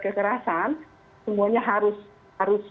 kekerasan semuanya harus